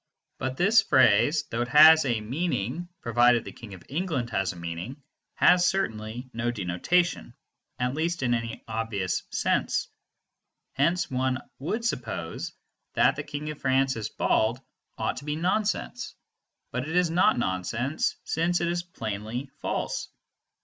But this phrase, though it has a meaning provided "the King of England" has a meaning, has certainly no denotation, at least in any obvious sense. Hence one would suppose that "the King of France is bald" ought to be nonsense; but it is not nonsense, since it is plainly false.